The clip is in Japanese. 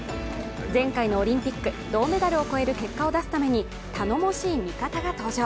前回のオリンピック銅メダルを超える結果を出すために、頼もしい味方が登場。